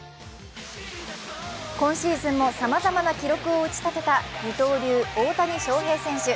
今シーズンもさまざまな記録を打ち立てた二刀流・大谷翔平選手。